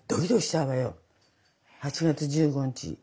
８月１５日。